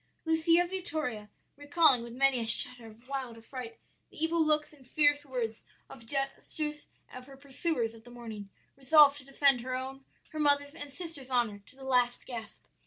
"Lucia Vittoria, recalling, with many a shudder of wild affright, the evil looks and fierce words and gestures of her pursuers of the morning, resolved to defend her own, her mother's, and sister's honor to the last gasp.